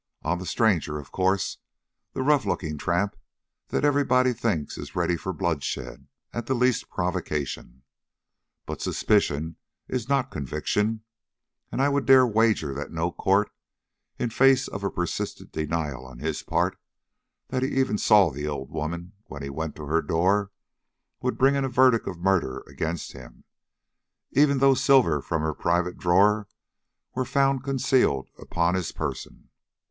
On the stranger, of course the rough looking tramp that everybody thinks is ready for bloodshed at the least provocation. But suspicion is not conviction, and I would dare wager that no court, in face of a persistent denial on his part that he even saw the old woman when he went to her door, would bring in a verdict of murder against him, even though silver from her private drawer were found concealed upon his person.